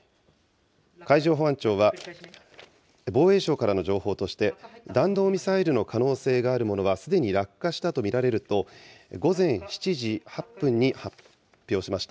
海上保安庁は、防衛省からの情報として、弾道ミサイルの可能性があるものはすでに落下したと見られると、午前７時８分に発表しました。